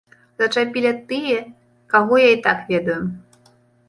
Зачапілі тыя, каго я і так ведаю.